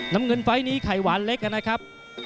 น้ำเงินไฟล์นี้ไข่หวานเล็กนะครับ